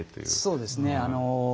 そうですね。